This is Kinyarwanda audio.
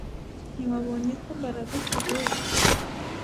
Ntiwabonye ko Mbaraga akureba